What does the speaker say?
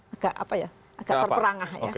agak apa ya agak terperangah ya